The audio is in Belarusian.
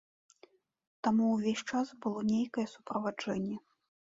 Таму ўвесь час было нейкае суправаджэнне.